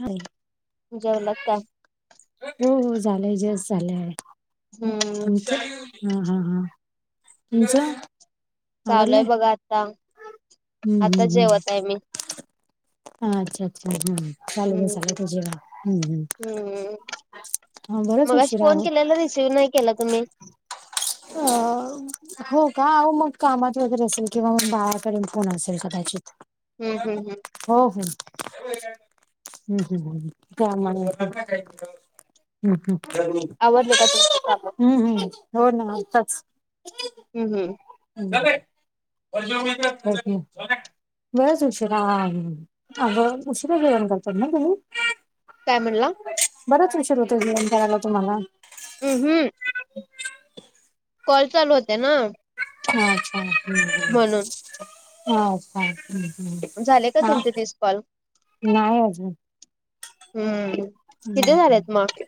ह [unintelligible] जेवलात काय? ह ह हो झालंय जस्ट झालंय. हम्म तुमचं? हा हा हा तुमच? चालूय बघा आता. हम्म आता जेवत आहे मी. हा अच्छा अच्छा. हम् चालू हम्म बसायला होतं. जेवायला हम् हम्. हम्म हा बरच मगाशी उशीरा फोन आहो. केलेला रिसिव्ह नाही केला तुम्ही अ [unintelligible] हो का. अहो मग कामात वगैरे असेल. किंवा मग बाहेर कडे फोन असेल कदाचित. हम् हम् हम. हो हो हम हम हम कामामध्ये हम् हम् आवरले का तुमचे काम? हम्म हम्म हो ना आताच. हम् हम्. झा अजो म [unintelligible] बरेच उशीरा अगं उशीरा जेवण करतात ना तुम्ही. काय म्हणला? बराच उशीर होतो जेवण करायला तुम्हाला? हम्म हम्म. कॉल चालू होते ना. अच्छा ह म्हणून अच्छा. ह झाले का हा तुमचे तीस कॉल? नाही आजून. हम्म किती हम्म. झालेत मगं?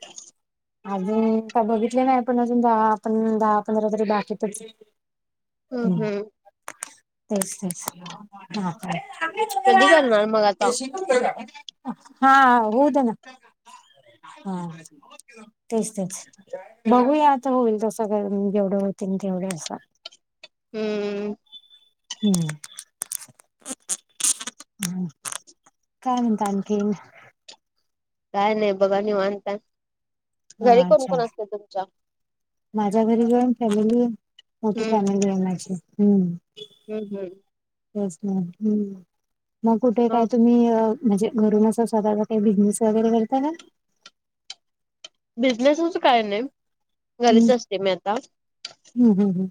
अजून का बघितले नाही. पण अजून दहा पण दहा पंधरा तरी बाकी पडतील. हम्म हम्म. तेच तेच हा कधी का. करणार मग आता? हा होवू दे ना हा. तेच तेच बघूया आता होईल तसं जेवढे होतील तेवढे असं. हम्म. हम्म. हम, काय म्हणता आणखीन? काय नाही बघा निवांत आहे, घरी हा कोण अच्छा कोण असत तुमच्या? माझ्या घरी जॉईन्ट फॅमिली हे मोठी हम्म फॅमिली आहे माझी ह्. हम्म हम्म. तेच ना हम् मग कुठे हा काय तुम्ही अ म्हणजे घरूनच असं स्वतःचा काही बिझनेस वगैरे करत क? बिझनेस आस काय नाही. हम्म. घरीच असते मी आता हम्म, हम्म, हम्म.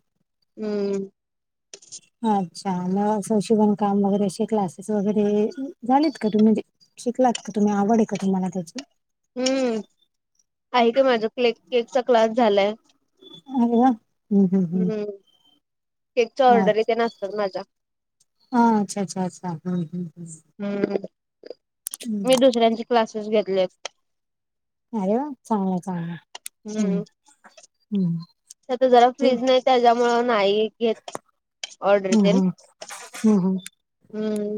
हम्म. [unintelligible] अच्छा म आस शीवण काम वगैरे असे क्लासेस वगैरे झालेत का तु म्हणजे? शिकलात का तुम्ही आवड आहे का तुम्हाला त्याची? हम्म आहे की माझं केक केकचा क्लास झालाय अरे वा! हम्म, हम्म. केक चा ऑर्डरी तेन आसतात माझ्या. अ अच्छा अच्छ अच्छा हा् ह् ह. हम्म मी दुसऱ्यांचे क्लासेस घेतलेत. अरे वा चांगल हाय चांगल हाय हम्. हम्म. ते आता जरा ठीक. फ्रीज नाही त्याच्यामुळं नाही घेत ऑर्डरी तेन. हम् हम्. हम्म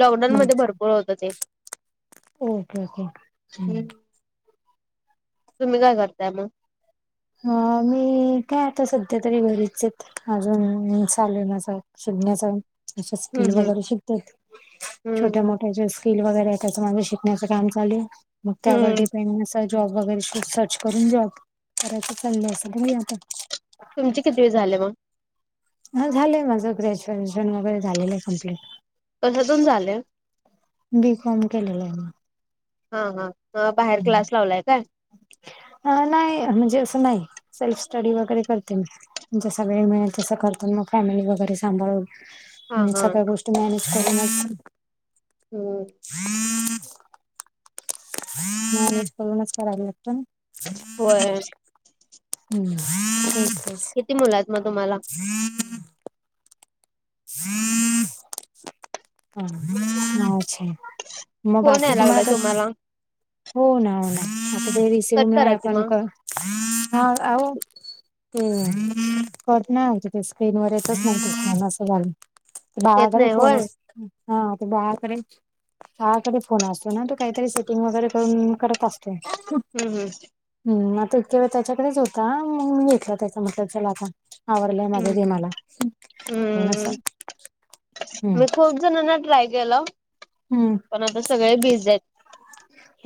लॉकडाऊन मध्ये भरपूर होत होते. Okay okay. तुम्ही काय करताय मग? ह मी काय आता सध्या तरी घरीचे अजून चालूय माझ. शिकण्याचा अशा हम्म स्किल हम्म वगैरे शिकता छोट्या हम्म मोठ्या ज्या फील वगैरे त्याच माझ शिकण्याचं काम चालूय मग त्यावर हम्म डिपेंड जॉब वगैरे श सर्च करून जॉब करायच चाललं असेल ब आता [unintelligible] तुमचे कितवी झाले मग? ह झालंय माझं ग्रॅज्युएशन वगैरे झालेलं आहे कंप्लीट. कशातुन झालय.? बीकॉम केलेलंय मी. हा हा बाहेर क्लास लावलाय काय. अ नाही म्हणजे असं नाही सेल्फ स्टडी वगैरे करते मी. जसा वेळ मिळेल तसं करतात मग फॅमिली वगैरे सांभाळून. हा हम् हा सगळ्या गोष्टी मॅनेज करूनच हम्म म करूनच कराला लागत [unintelligible] होय. हम्म [unintelligible] किती मुल आहेत मग तुम्हाला? ही [unintelligible] ह अछा [unintelligible] मग फोन बाकी याय लागलाय तुम्हाला कस [unintelligible] हो ना हो ना आता ते रिसिव कट करा नाय की मग. [unintelligible] हा आवो ते करत नाही ते स्क्रीन वर येतचछ असं घल [unintelligible] येत बाळाकडे नाही होय. फोन ये हा ते बाळकडे बाळकडे फोन असतो ना तू काहीतरी सेटिंग वगैरे कर करत असतो [unintelligible] हम्म हम्म आता इतका वेळ त्याच्याकडेच होता मग मी घेतला त्याचा म्हटलं त्याला आता आवरलय माझ हम्म. दे मला थोडस हम्म मी खूप जणांना ट्राय केलं हम्म पण आता सगळे भिज आहेत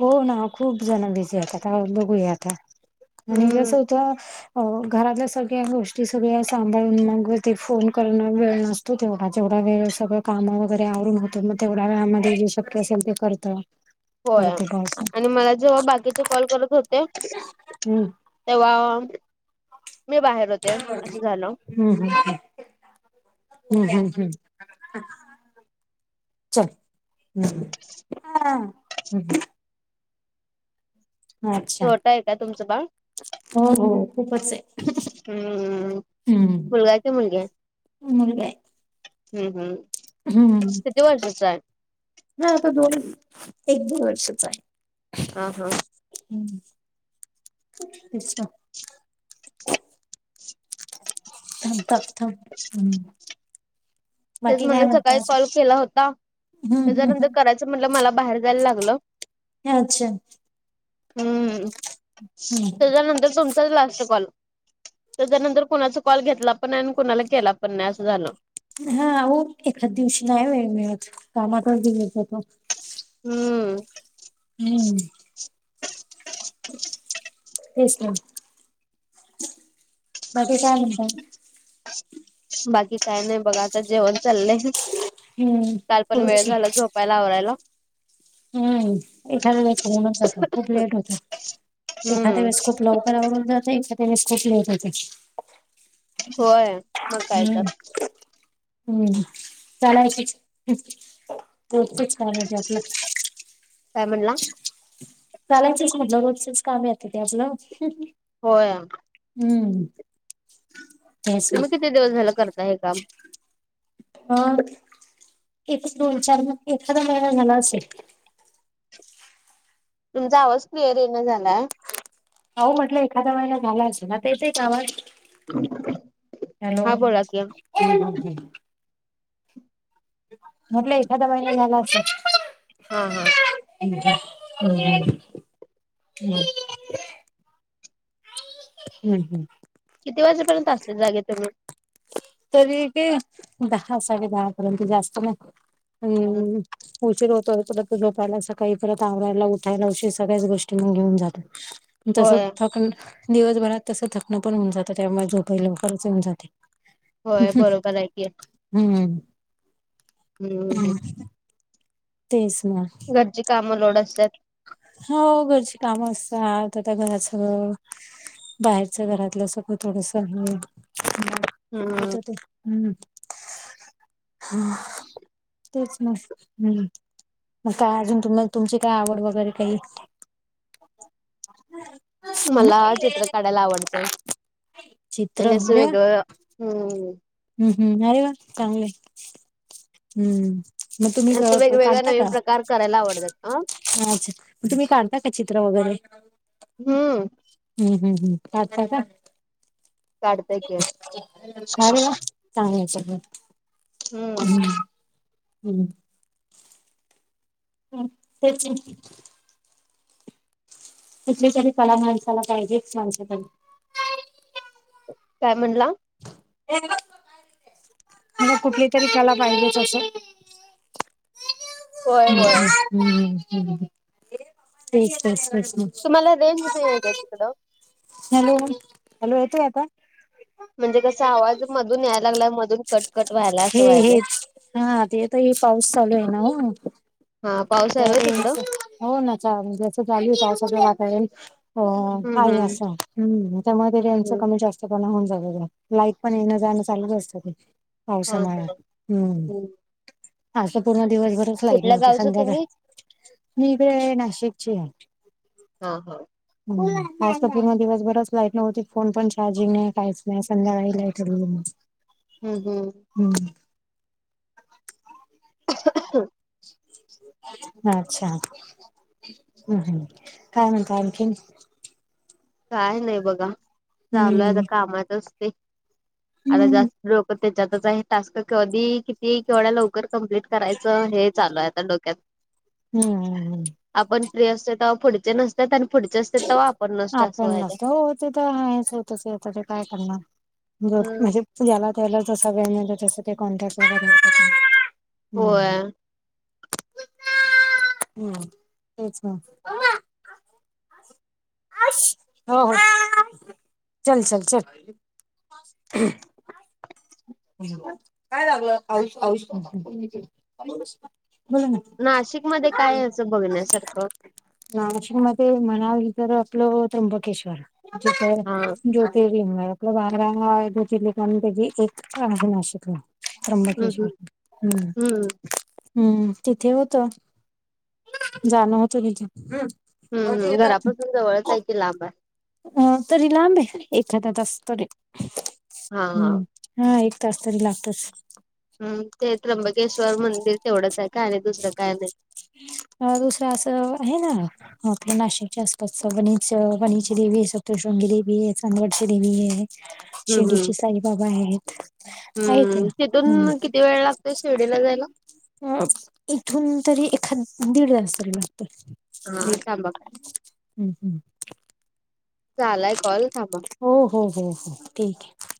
हो ना खूप जण बिझी आहेतता आता बघूया आता आणि जस हम्म होतं. हो घरातल्या सगळ्या गोष्टी सगळ्या सांभाळून मग व ते फोन करणं वेळ नसतो त तेवढा जेवढा वेळ सगळं कामं वगैरे आवरून होतो मग तेवढ्या वेळामध्ये जे शक्य असेल ते करतं होय आणि मला जेव्हा बाकीचे कॉल करत होते हम्म तेव्हा मी बाहेर होते असं झाल हम्म हम् ह् हम् हम् हम् चल ह् ह ह अच्छा छोट आहे का तुमचं बाळ. हो हो खूपच आहे हम्म हम्म मुलगा आहे की मुलगी आहे मु आहे हम्म हम्म हम्म किती वर्षाचा आहे ह आता दोन एक दोन वर्षच आहे हा हा हम् तेशवा तपथ हम् तेच म्हणलं सकाळी कॉल केला होता हं, हं, त्याच्यानंतर हं. करायचं म्हटलं मला बाहेर जायला लागलं अच्छा. हम्म त्याच्यानंतर सम लास्ट कॉल त्याच्यानंतर कुणाचा कॉल घेतला पण नाही आणि कुणाला केला पण नाही असं झालं हा हो एखाद दिवशी नाही वेळ मिळत कामाात गेलेच हो तो हम्म हं, तेच ना बागे काय म्हणतात बाकी काय नाही बघा आता जेवण चाललंय हं. काल पण वेळ पोहोचू. झाला झ पायला आवरायला हम्म एखादा्या वखणच जातो खूप लेट होत एखाद हम्म वेस्कूप लवकर आव जात एखा वेस्कूप लेट होते होय मग काय तर हम्म हम्म चला पोहतेच कारण ते आपलं कामनला चालायचच म्हटलं रोजचेच काम येतं ते आपलं. होय हम्म तुम्ही किती दिवस झाला करता हे काम ह एक दोन चार म एखादा महिळा झाला असेल तुमचा आवाज क्लिअर येण झाला होह म्हटलं एखाद्या वहिला घालायचं ना ते ते कावा हॅलो हा बोला की म्हट एखादा महिना झाला अस हा हा ह् हम्म हम् हम्म हम्म किती वाजेपर्यंत असते जागे तुम्ही तरी ते दहा साडे दहा पर्यंत जास्त नाही हम्म उचर होतोय परंत झोपायला सकाळी परत आवरायला उठायला अ सगळ्याच गोष्टी मग घेऊन जातात तस होय थकण दिवसभरात तसं थकणं पण होऊन जातं त्यामुळे झोपई लवकरच होऊन जाते होय बरोबर आहे की हम्म [unintelligible] तेच म घरची कामं लोड असल्या हो घरची कामं असतात आता त्या घराचं बाहेरच्या घरातलं सगळं थोडस हो हम् [unintelligible] हम् तेच मस् हम्म मग काय अजून तुम्हाला तुमची काय आवड वगैरे काही मला चित्र काढायला आवडते चित्र आणि असं अरे वा वेगळं हम्म हम्म हम्म अरे वा चांगले. हम्म मग तुम्ही असं स वेगवेगळ्या काढता नवीन का प्रकार करायला आवडतात अ अच्छा तुम्ही काढता का चित्र वगैरे हम्म हम्म हम् हम् पाात काढताय की [unintelligible] हम्म हम्म [unintelligible] कुठली तरी कला माणसाला पाहिजेच माणसाकडे काय म्हणला मग कुठली तरी त्याला पाहिलच असे होय हम्म होय हम्म ते तेच तुम्हाला रेंज नाही आहे का तिकडं हॅलो हॅलो येतोय आता म्हणजे कसा आवाज मधून यायला लागलाय मधून कट कट व्हायला हे असं व्हायलाय. हेच हा आ तेेत ह पाऊस चालू आहे ना. हा पावस रे हो ना चाजसं चालू सगळय अ हम्म आहे हम्म. असं त्यामध्ये त्यांच हम्म कमी जास्त प होन ज लाईक पण येण जाणं चालूच असतं ते हा पावसामाळे हा. हम्म आजता पूर्ण दिवसभर कुठल्या गावचं तुम्ही मी ते नाशिकची हा हा ह आज तर पूर्ण दिवसभरच लाईट नव्हती फोन पण चार्जिंग नाही काहीच नाही संध्याकाळी लाईट [inaudible] हम्म हम् हम्म [inaudible] अच्छा हम् काय म्हणता आणखीन काय नाही बघा चालू आहे आता हम्म कामात असते आता हम्म जास्त लोक त्याच्यातच हे टास्क कधी किती केवढ्या लवकर कम्प्लीट करायचं हे चालू आहे आता डोक्यात हम्मम आपण फ्री असतो तेव्हा पुढचे नसतात आणि पुढचे असतात तेव्हा आपण नसतो. पण नसतो तर होतच आता ते काय करणार हम्म. म्हणजे ज्याला त्याला जसा वेळ मिळतो तस कॉन्टॅक्ट वगैरे होय [unintelligible] हो हो चल चल चल ह काय लागलं बोला नाशिकमध्ये काय आहे असं बघण्यासारखं? ना नाशिक मध्ये म्हणाली तर आपलं त्र्यंबकेश्वर जिथ हा. जो ते आपलं बांर आहे दो तिलेक त्याची एक राज नाशिकला हम्म ऋबंकेश्वर हम्म हम्म हम्म तिथे होत जाणं होत तिथ हम्म हम घरापासून जवळच आहे की लांब आहे अ तरी लांब आहे एखादा तास तरी हा हा हम्म हा एक तास तरी लागतोच हम् ते त्र्यंबकेश्वर मंदिर तेवढंच आहे काय आणी दुसरं काय नाही अ दुसरं असं आहे ना आपल्या नाशिकच्या आसपासच वणीच वणीची देवी आहे सतशृंगी देवी आहे चंदवडची देवी आहे हम् हम् शिर्डीचे साईबाबा आहेत आहेत या हम्म हम् तिथून किती वेळ लागतोय शिर्डीला जायला अ इथून तरी एखाद दीड तास तरी लागत हा थांबा हम् हं झालाय कॉल हो हो हो हो ठीक आहे